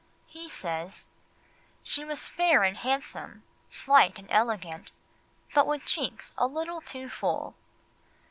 He says: "She was fair and handsome, slight and elegant, but with cheeks a little too full."